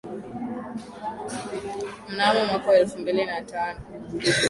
Mnamo mwaka wa elfu mbili na tano